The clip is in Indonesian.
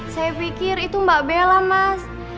saya pikir itu mbak bella mas